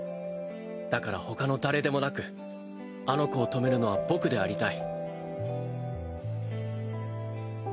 だからほかの誰でもなくあの子を止めるのは僕でありたい。